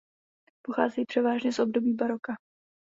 Pocházejí převážně z období baroka.